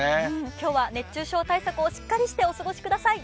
今日は熱中症対策をしっかりしてお過ごしください。